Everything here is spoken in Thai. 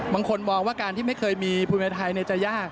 บางคนมองว่าการที่ไม่เคยมีภูมิใจไทยจะยาก